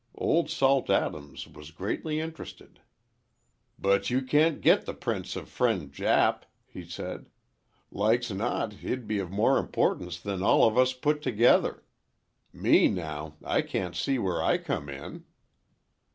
Old Salt Adams was greatly interested. "But you can't get the prints of Friend Jap," he said. "Like's not, he'd be of more importance than all of us put together. Me, now, I can't see where I come in."